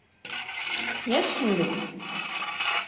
Йәшһең бит!